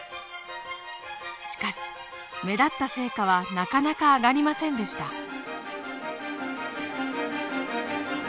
しかし目立った成果はなかなか上がりませんでした。